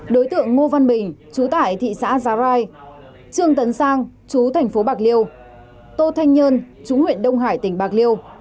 đối tượng ngô văn bình chú tại thị xã giá rai trương tấn sang chú thành phố bạc liêu tô thanh nhơn chú huyện đông hải tỉnh bạc liêu